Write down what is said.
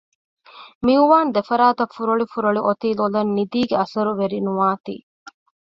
މިއުވާން ދެފަރާތަށް ފުރޮޅި ފުރޮޅި އޮތީ ލޮލަށް ނިދީގެ އަސަރު ވެރިނުވާތީ